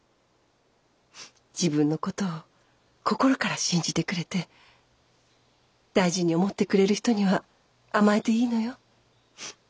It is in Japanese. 自分の事を心から信じてくれて大事に思ってくれる人には甘えていいのよ思いっきり。